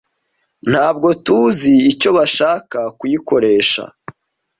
Ntabwo tuzi icyo bashaka kuyikoresha.